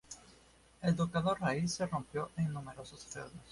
El ducado raíz se rompió en numerosos feudos.